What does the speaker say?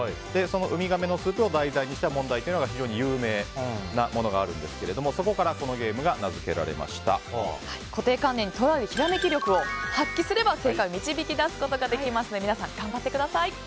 ウミガメのスープを題材にした問題というが有名なものがあるんですがそこから固定観念にとらわれずにひらめき力を発揮できれば正解を導き出すことができますので皆さん、頑張ってください。